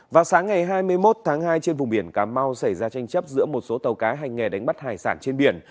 vào sáng ngày hai mươi một tháng hai trên vùng biển cà mau xảy ra tranh chấp giữa một số tàu cá hành nghề đánh bắt hải sản trên biển